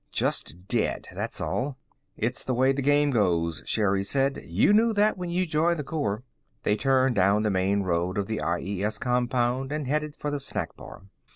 Just dead, that's all." "It's the way the game goes," Sherri said. "You knew that when you joined the corps." They turned down the main road of the IES compound and headed for the snack bar.